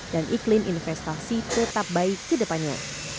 dan iklim investasi tetap baik ke depannya